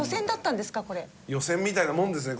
予選みたいなもんですね